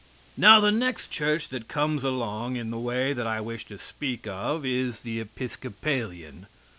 Now, the next Church that comes along in the way that I wish to speak of is the Episcopalian.